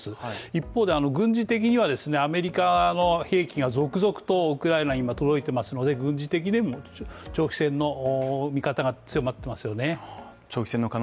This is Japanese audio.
一方で軍事的にはアメリカの兵器が続々とウクライナ、今届いていますので、軍事的にも長期戦の見方が強まってきてますよね。